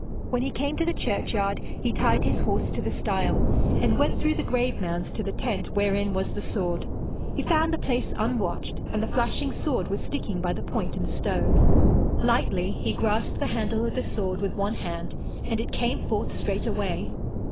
When he came to the churchyard, he tied his horse to the stile, and went through the grave mounds to the tent wherein was the sword. He found the place unwatched, and the flashing sword was sticking by the point in the stone. Lightly he grasped the handle of the sword with one hand, and it came forth straightway!